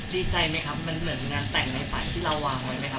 ดีใจไหมครับมันเหมือนงานแต่งในฝันที่เราวางไว้ไหมครับ